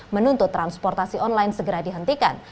menuntut transportasi online segera dihentikan